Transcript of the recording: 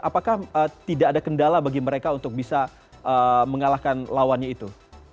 apakah tidak ada kendala bagi mereka untuk bisa mengalahkan lawannya itu